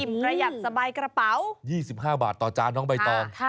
อิ่มสะยะสบายกระเพรา๒๕บาทต่อจานน้องใบตอง